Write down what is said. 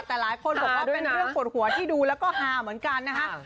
แต่หลายคนบอกว่าเป็นเรื่องปวดหัวที่ดูแล้วก็ฮาเหมือนกันนะคะ